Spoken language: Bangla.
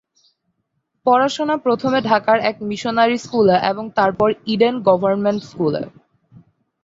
পড়াশোনা প্রথমে ঢাকার এক মিশনারি স্কুলে এবং তারপর ইডেন গভর্নমেন্ট স্কুলে।